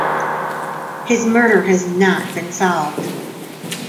His murder has not been solved.